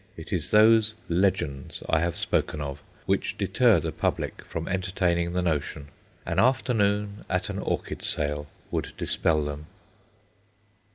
It is those "legends," I have spoken of which deter the public from entertaining the notion. An afternoon at an orchid sale would dispel them.